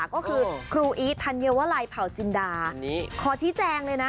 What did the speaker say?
ก็คือครูอีทธัญวลัยเผ่าจินดาขอชี้แจงเลยนะ